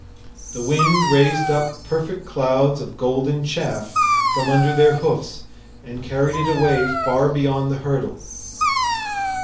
The wind raised up perfect clouds of golden chaff from under their hoofs and carried it away far beyond the hurdle.